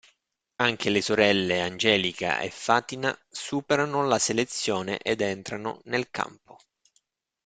Anche le sorelle Angelica e Fatina superano la selezione ed entrano nel campo.